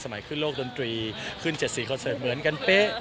สมัยขึ้นโลกดนตรีขึ้นเจ็ดสี่คอนเสิร์ตเหมือนกัน